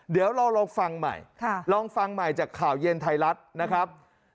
เดี๋ยวเราลองฟังใหม่ลองฟังใหม่จากข่าวเย็นไทยรัฐนะครับ